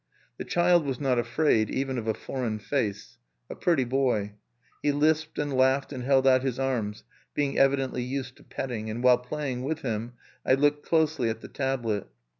The child was not afraid, even of a foreign face, a pretty boy. He lisped and laughed and held out his arms, being evidently used to petting; and while playing with him I looked closely at the tablet.